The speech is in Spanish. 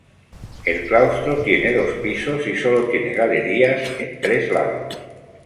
El claustro tiene dos pisos y sólo tiene galerías en tres lados.